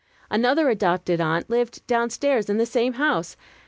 Another adopted aunt lived down stairs in the same house.